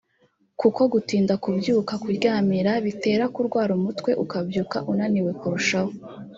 kuko gutinda kubyuka (kuryamira) bitera kurwara umutwe ukabyuka unaniwe kurushaho